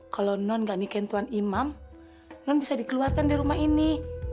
kalau non nggak nikahin tuan imam non bisa dikeluarkan dari rumah ini